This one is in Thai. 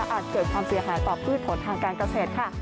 อาจจะเกิดความเสี่ยงหายต่อผู้ทศพนทางการเกษตรค่ะ